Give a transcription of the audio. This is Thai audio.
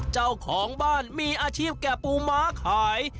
เจ้าของบ้านมีอาชีพแก่ปูม้าขาย